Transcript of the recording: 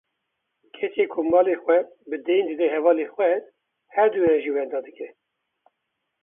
Kesê ku malê xwe bi deyn dide hevalê xwe, her duyan jî wenda dike.